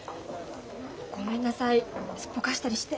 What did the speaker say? ごめんなさいすっぽかしたりして。